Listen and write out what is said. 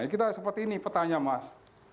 kita seperti ini petanya mas